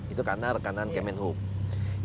itu karena rekanan kementerian perhubungan